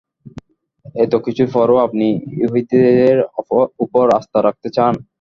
এত কিছুর পরও আপনি ইহুদীদের উপর আস্থা রাখতে চান?